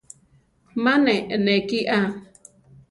Ma ne eʼnéki a.